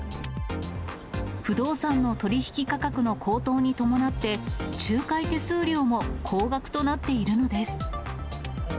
不動産の取り引き価格の高騰に伴って、仲介手数料も高額となっているのです。